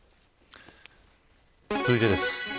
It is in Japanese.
続いてです。